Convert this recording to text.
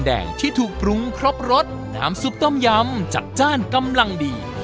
เดี๋ยวนะเราทำอะไร